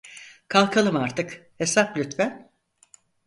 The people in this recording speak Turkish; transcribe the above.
Kalkalım artık, hesap lütfen!